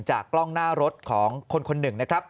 กล้องหน้ารถของคนคนหนึ่งนะครับ